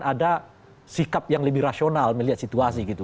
sebetulnya sudah memperlihatkan ada sikap yang lebih rasional melihat situasi gitu